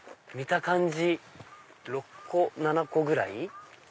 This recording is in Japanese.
見た感じ６個７個ぐらい。